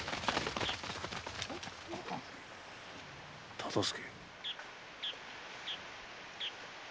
忠相。